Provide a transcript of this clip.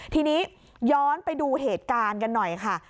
ทีนี้ย้อนไปดูเหตุการณ์กันหน่อยค่ะ